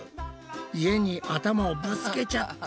家に頭をぶつけちゃった！